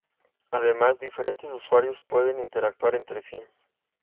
Además, diferentes usuarios pueden interactuar entre sí.